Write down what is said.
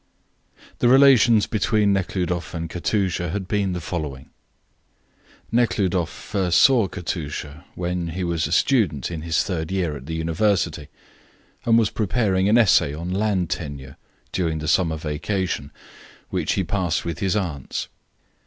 The relations between Nekhludoff and Katusha had been the following: Nekhludoff first saw Katusha when he was a student in his third year at the University, and was preparing an essay on land tenure during the summer vacation, which he passed with his aunts.